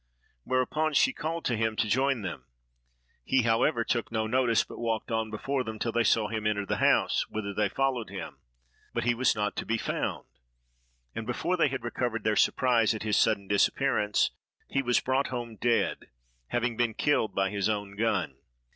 whereupon she called to him to join them. He, however, took no notice, but walked on before them, till they saw him enter the house, whither they followed him;—but he was not to be found: and before they had recovered their surprise at his sudden disappearance, he was brought home dead, having been killed by his own gun.